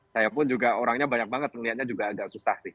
saya pun juga orangnya banyak banget ngelihatnya juga agak susah sih